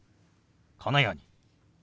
このように。